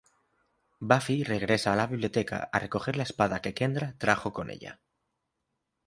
Buffy regresa a la biblioteca a recoger la espada que Kendra trajo con ella.